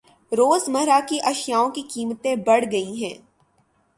روز مرہ کے اشیاوں کی قیمتیں بڑھ گئ ہے۔